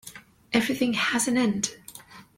Everything has an end.